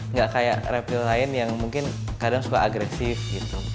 nggak kayak reptil lain yang mungkin kadang suka agresif gitu